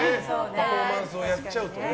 パフォーマンスをやっちゃうと。